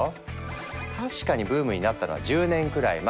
確かにブームになったのは１０年くらい前。